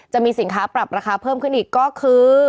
จะมีสินค้าปรับราคาเพิ่มขึ้นอีกก็คือ